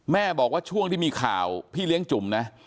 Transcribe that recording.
แม่บอกว่าช่วงที่มีข่าวพี่เลี้ยงจุ่มนะ